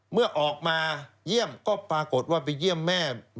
เมื่อออกมาเยี่ยมก็ปรากฏว่าไปเยี่ยมแม่